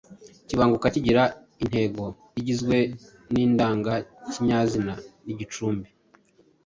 kibanguka kigira intego igizwe n’indangakinyazina n’igicumbi,